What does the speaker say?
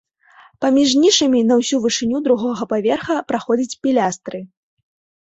Паміж нішамі на ўсю вышыню другога паверха праходзяць пілястры.